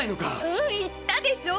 うんいったでしょ